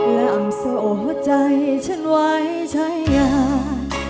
แล้วอำโสใจฉันไว้ใช่ยัง